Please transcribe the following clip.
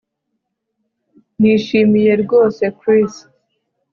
Nishimiye rwose Chris